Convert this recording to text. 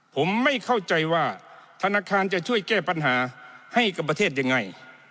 ผมไม่เข้าใจว่าธนาคารจะช่วยแก้ปัญหาให้กับประเทศยังไง